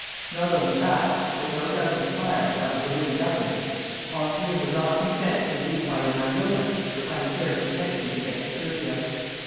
Not only backed, but no doubt inspired, by the Berlin Government, Austria would not consent to reduce by an iota her unfair pretentions against Servia.